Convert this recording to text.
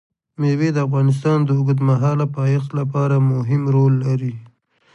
مېوې د افغانستان د اوږدمهاله پایښت لپاره مهم رول لري.